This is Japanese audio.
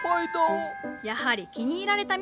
やはり気に入られたみたいじゃのう。